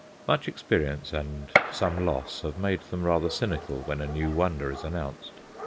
Much experience and some loss have made them rather cynical when a new wonder is announced.